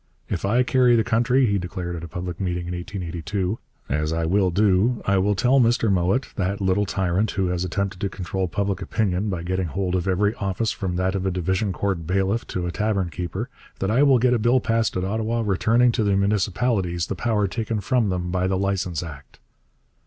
'If I carry the country,' he declared at a public meeting in 1882, 'as I will do, I will tell Mr Mowat, that little tyrant who has attempted to control public opinion by getting hold of every office from that of a Division Court bailiff to a tavern keeper, that I will get a bill passed at Ottawa returning to the municipalities the power taken from them by the Licence Act.'